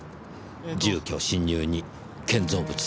住居侵入に建造物損壊。